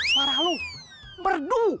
suara lu merdu